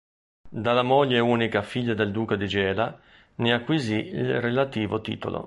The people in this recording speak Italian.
Dalla moglie, unica figlia del Duca di Gela, ne acquisì il relativo titolo.